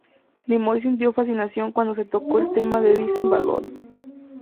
Nimoy sintió fascinación cuando se tocó el tema de Vincent van Gogh.